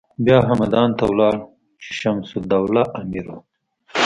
بیا همدان ته لاړ چې شمس الدوله امیر و.